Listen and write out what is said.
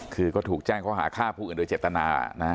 คือก็ถูกแจ้งข้อหาฆ่าผู้อื่นโดยเจตนานะฮะ